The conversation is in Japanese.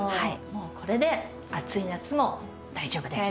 もうこれで暑い夏も大丈夫です。